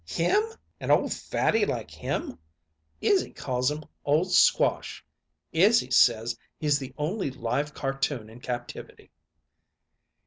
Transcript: "Him! An old fatty like him! Izzy calls him Old Squash! Izzy says he's the only live Cartoon in captivity."